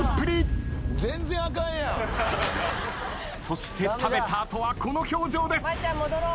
そして食べた後はこの表情です。